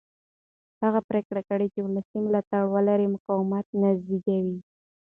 هغه پرېکړې چې ولسي ملاتړ ولري مقاومت نه زېږوي